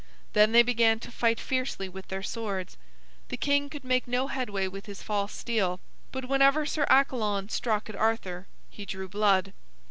Then they began to fight fiercely with their swords. The king could make no headway with his false steel, but whenever Sir Accalon struck at Arthur he drew blood.